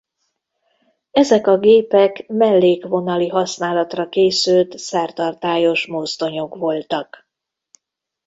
Ezek a gépek mellékvonali használatra készült szertartályos mozdonyok voltak.